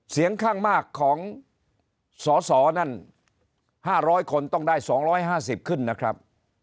เสียงข้างมากของสสนั่น๕๐๐คนต้องได้๒๕๐ขึ้นนะครับ